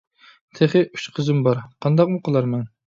تېخى ئۈچ قىزىم بار. قانداقمۇ قىلارمەن!